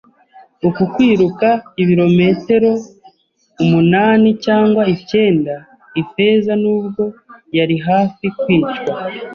Uku kwiruka ibirometero umunani cyangwa icyenda. Ifeza, nubwo yari hafi kwicwa